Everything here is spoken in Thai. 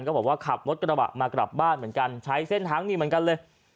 ก็บอกว่าขับรถกระบะมากลับบ้านเหมือนกันใช้เส้นทางนี้เหมือนกันเลย